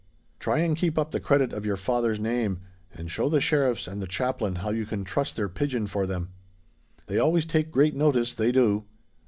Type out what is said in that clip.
Try and keep up the credit of your father's name, and show the Sheriffs and the Chaplain how you can truss their pigeon for them. They always take great notice—they do.